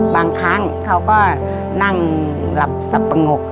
บางครั้งเขาก็นั่งหลับสับปะงก